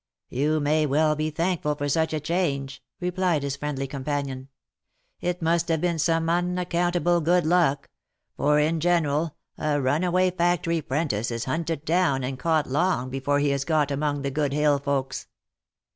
." You may well be thankful for such a change," replied his friendly companion. " It must have been some unaccountable good luck ; for in general, a runaway factory 'prentice is hunted down and caught long before he has got among the good hill folks."